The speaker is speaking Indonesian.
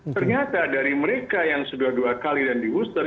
ternyata dari mereka yang sudah dua kali dan di booster